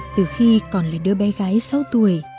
từ khi còn là đứa bé gái sáu tuổi